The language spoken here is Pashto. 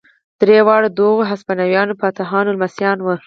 درې واړه د هغو هسپانوي فاتحانو لمسیان وو.